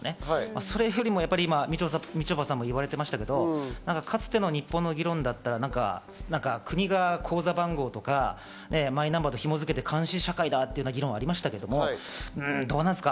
それよりみちょぱさんがいわれていましたけど、かつての日本の議論だったら国の口座番号とか、マイナンバーと紐づけて監視社会だという議論がありましたけど、どうなんですか？